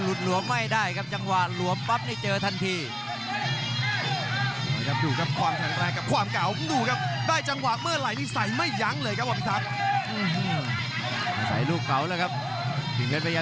หลวมไม่ได้ครับจังหวะหลวมปั๊บนี่เจอทันที